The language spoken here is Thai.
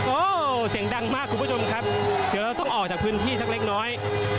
เสียงดังมากคุณผู้ชมครับเดี๋ยวเราต้องออกจากพื้นที่สักเล็กน้อย